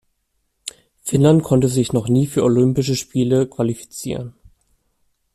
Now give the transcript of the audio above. Finnland konnte sich noch nie für Olympische Spiele qualifizieren.